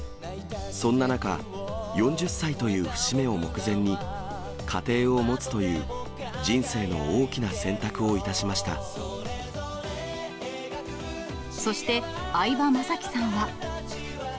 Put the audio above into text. そんな中、４０歳という節目を目前に、家庭を持つという、人生の大きなそして相葉雅紀さんは。